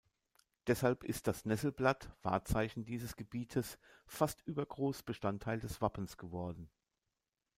Deshalb ist das Nesselblatt, Wahrzeichen dieses Gebietes, fast übergroß Bestandteil des Wappens geworden.